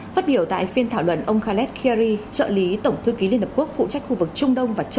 phát biểu tại phiên thảo luận ông khaled khiri trợ lý tổng thư ký liên hợp quốc phụ trách khu vực trung đông